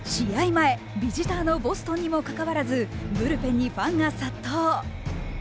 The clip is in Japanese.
前、ビジターのボストンにも関わらず、ブルペンにファンが殺到。